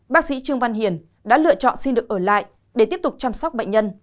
bác sĩ trương văn hiền đã lựa chọn xin được ở lại để tiếp tục chăm sóc bệnh nhân